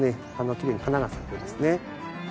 きれいに花が咲くんですね。